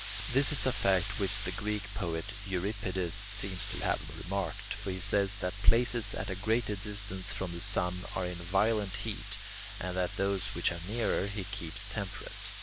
This is a fact which the Greek poet Euripides seems to have remarked; for he says that places at a greater distance from the sun are in a violent heat, and that those which are nearer he keeps temperate.